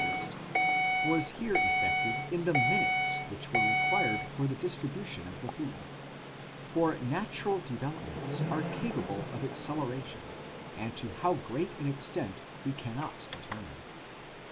vest, was here effected in the minutes which were required for the distribution of the food ; for natural developments are capable of acceleration, and to how great an extent we cannot determine.!